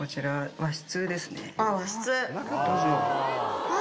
和室。